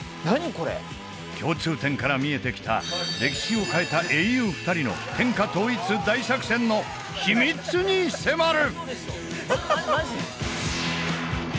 これ共通点から見えてきた歴史を変えた英雄２人の天下統一大作戦の秘密に迫る！